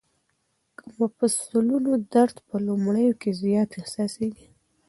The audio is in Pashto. د مفصلونو درد په لومړیو کې زیات احساسېږي.